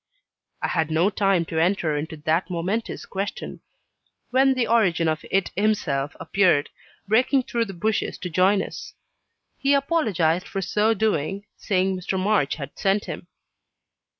I had no time to enter into that momentous question, when the origin of it himself appeared, breaking through the bushes to join us. He apologized for so doing, saying Mr. March had sent him.